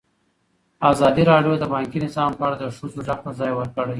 ازادي راډیو د بانکي نظام په اړه د ښځو غږ ته ځای ورکړی.